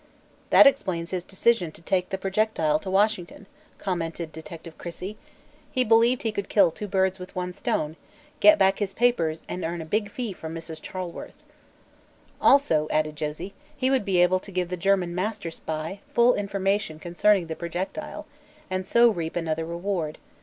"That explains his decision to take the projectile to Washington," commented Detective Crissey, "he believed he could kill two birds with one stone get back his papers and earn a big fee from Mrs. Charleworth." "Also," added Josie, "he would be able to give the German Master Spy full information concerning the projectile, and so reap another reward.